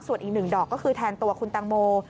ส่วนอีกหนึ่งดอกก็คือแทนตัวคุณตังโม